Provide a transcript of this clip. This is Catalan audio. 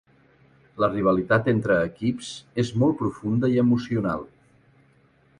La rivalitat entre equips és molt profunda i emocional.